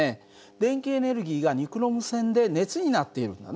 電気エネルギーがニクロム線で熱になっているんだね。